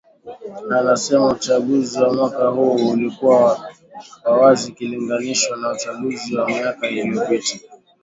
Anasema uchaguzi wa mwaka huu ulikuwa wa wazi ikilinganishwa na uchaguzi wa miaka iliyopita